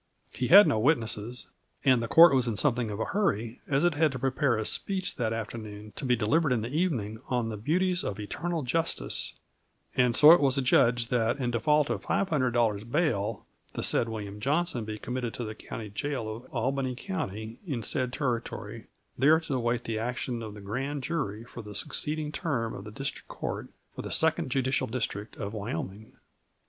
He had no witnesses, and the Court was in something of a hurry as it had to prepare a speech that afternoon to be delivered in the evening on the "Beauties of Eternal Justice," and so it was adjudged that in default of $500 bail the said William Johnson be committed to the County Jail of Albany County in said Territory, there to await the action of the Grand Jury for the succeeding term of the District Court for the Second Judicial District of Wyoming.